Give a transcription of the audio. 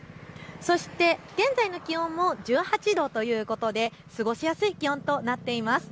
そして現在の気温も１８度ということで過ごしやすい気温となっています。